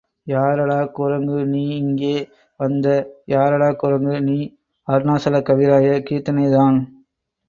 யாரடா குரங்கு நீ இங்கே வந்த யாரடா குரங்கு நீ அருணாசலக் கவிராயர் கீர்த்தனைதான்.